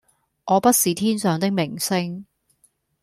我不是天上的明星